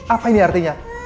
apa ini artinya